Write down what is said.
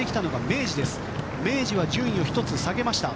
明治は順位を１つ下げました。